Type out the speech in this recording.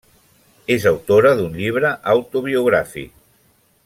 És autora d'un llibre autobiogràfic.